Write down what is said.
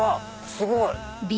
すごい！